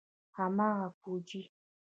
هماغه فوجي.